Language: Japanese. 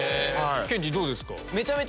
ケンティーどうですか？